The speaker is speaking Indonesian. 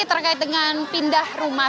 terkait dengan pindah rumah